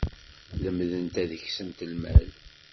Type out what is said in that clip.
Lemdent ad ksent lmal.